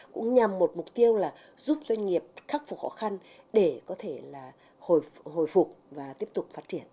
cũng nhằm một mục tiêu là giúp doanh nghiệp khắc phục khó khăn để có thể hồi phục và tiếp tục phát triển